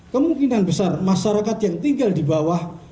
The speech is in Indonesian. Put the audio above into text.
kemungkinan besar masyarakat yang tinggal di bawah